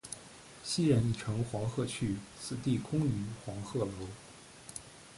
昔人已乘黄鹤去，此地空余黄鹤楼。